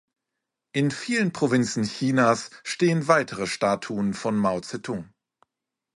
In vielen Provinzen Chinas stehen weitere Statuen von Mao Zedong.